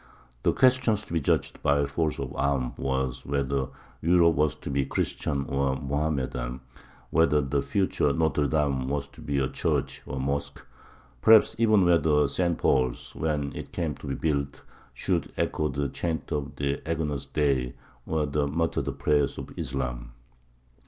The question to be judged by force of arms was whether Europe was to be Christian or Mohammedan whether the future Nôtre Dame was to be a church or a mosque perhaps even whether St. Paul's, when it came to be built, should echo the chant of the Agnus Dei or the muttered prayers of Islam.